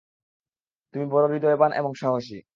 তুমি বড় হৃদয়বান এবং সাহসী।